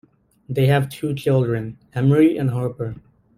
They have two children, Emery and Harper.